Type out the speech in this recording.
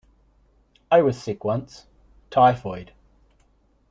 I was sick once -- typhoid.